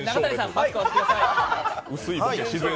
マスクを外してください。